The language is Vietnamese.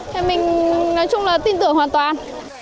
thế mình nói chung là tin tưởng hoàn toàn